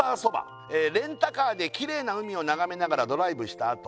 「レンタカーできれいな海を眺めながらドライブしたあと」